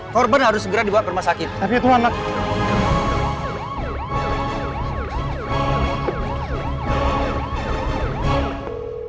korban harus segera dibawa ke rumah sakit